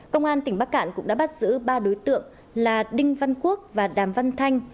công an tỉnh bắc cạn cũng đã bắt giữ ba đối tượng là đinh văn quốc và đàm văn thanh